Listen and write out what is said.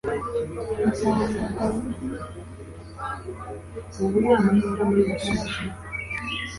Nsanga Dawudi yambera umugaragu